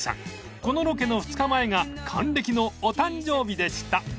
このロケの２日前が還暦のお誕生日でした］